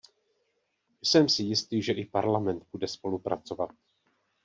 Jsem si jistý, že i Parlament bude spolupracovat.